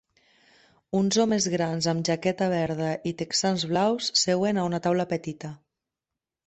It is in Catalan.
Uns homes grans amb jaqueta verda i texans blaus seuen a una taula petita.